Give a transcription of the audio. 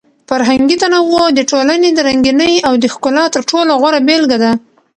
فرهنګي تنوع د ټولنې د رنګینۍ او د ښکلا تر ټولو غوره بېلګه ده.